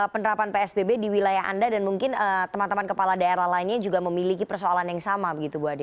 penerapan psbb di wilayah anda dan mungkin teman teman kepala daerah lainnya juga memiliki persoalan yang sama begitu bu ade